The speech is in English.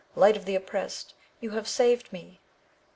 light of the oppressed ! you have saved me!